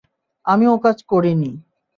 আমি ওকাজ করিনি।